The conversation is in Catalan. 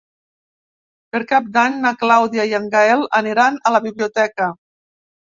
Per Cap d'Any na Clàudia i en Gaël aniran a la biblioteca.